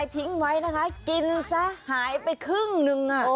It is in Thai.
คิดว่าจะใคร้าว